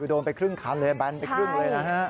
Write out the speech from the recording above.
โดนไปครึ่งคันเลยแบนไปครึ่งเลยนะฮะ